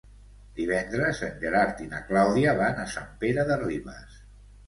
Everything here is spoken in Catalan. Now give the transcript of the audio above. Divendres en Gerard i na Clàudia van a Sant Pere de Ribes.